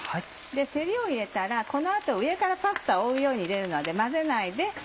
せりを入れたらこの後上からパスタを覆うように入れるので混ぜないで。